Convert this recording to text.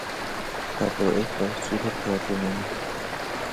قواعد و اصول پارلمانی